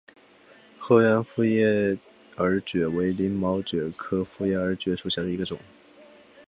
河源复叶耳蕨为鳞毛蕨科复叶耳蕨属下的一个种。